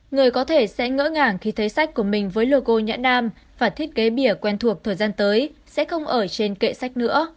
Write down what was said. người có thể sẽ ngỡ ngàng khi thấy sách của mình với logo nhã nam và thiết kế bìa quen thuộc thời gian tới sẽ không ở trên kệ sách nữa